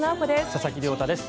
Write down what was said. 佐々木亮太です。